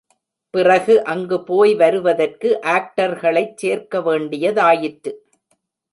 பிறகு அங்கு போய் வருவதற்கு ஆக்டர்களைச் சேர்க்கவேண்டிதாயிற்று.